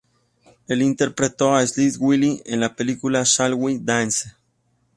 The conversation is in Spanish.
Él interpretó a Slick Willy en la película "Shall We Dance?